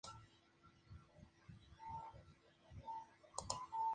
Yosuke Mori